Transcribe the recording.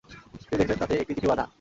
তিনি দেখলেন, তাতে একটি চিঠি বাধা।